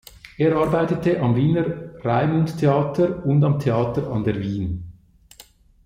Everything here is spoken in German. Er arbeitete am Wiener Raimundtheater und am Theater an der Wien.